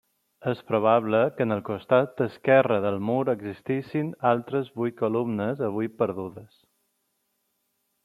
És probable que en el costat esquerre del mur existissin altres vuit columnes, avui perdudes.